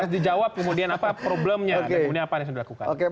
harus dijawab kemudian apa problemnya dan kemudian apa yang sudah dilakukan